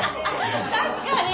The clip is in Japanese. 確かに！